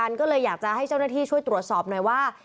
ก็เลยอยากจะให้เจ้าหน้าที่ช่วยตรวจสอบหน่อยว่า